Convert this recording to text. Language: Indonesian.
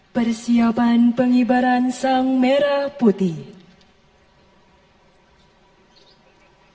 persiapan pengibaran sang merah putih